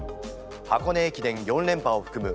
箱根駅伝４連覇を含む